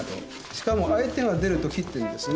しかも相手が出ると切ってんですね。